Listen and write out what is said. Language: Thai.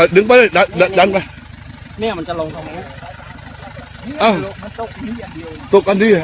ดึงไปเลยดันไป